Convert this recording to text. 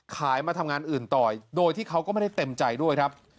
มาทำงานอื่นต่อโดยที่เขาก็ไม่ได้เต็มใจด้วยครับ